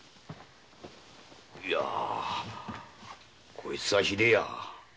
こいつはひでえや。